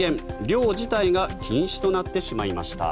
漁自体が禁止となってしまいました。